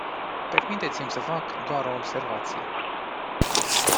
Permiteți-mi să fac doar o observație.